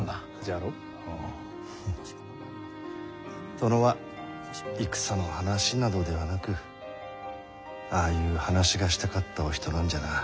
殿は戦の話などではなくああいう話がしたかったお人なんじゃな。